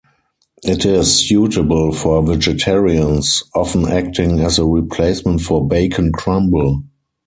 It is suitable for vegetarians, often acting as a replacement for bacon crumble.